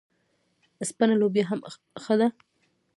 سپینه لوبیا هم ښه ده.